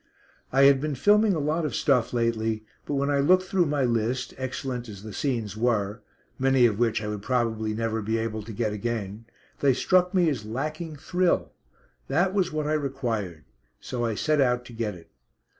I had been filming a lot of stuff lately, but when I looked through my list, excellent as the scenes were many of which I would probably never be able to get again they struck me as lacking "thrill." That was what I required. So I set out to get it.